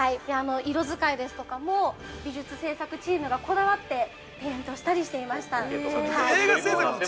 ◆色使いですとかも美術制作チームがこだわってペイントしたりしていました。